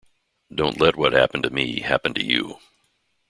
Don't let what happened to me happen to you.